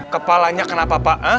kepalanya kenapa pak